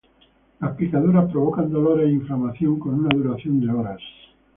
Las picaduras provocan dolores y inflamación con una duración de horas.